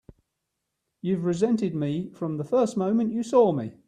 You've resented me from the first moment you saw me!